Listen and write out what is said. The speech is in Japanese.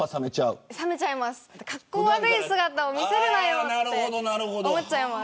かっこ悪い姿を見せるなよと思っちゃいます。